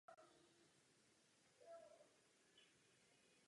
V důsledku skandálu odešel od policie a začal pracovat v pojišťovně.